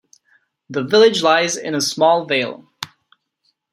The village lies in a small vale.